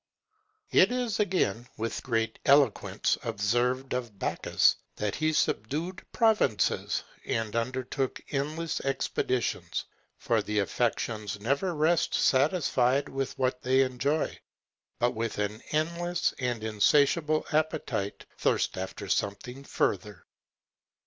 It is again, with great elegance, observed of Bacchus, that he subdued provinces, and undertook endless expeditions, for the affections never rest satisfied with what they enjoy, but with an endless and insatiable appetite thirst after something further.